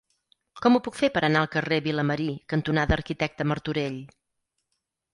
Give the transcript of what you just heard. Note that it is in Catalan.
Com ho puc fer per anar al carrer Vilamarí cantonada Arquitecte Martorell?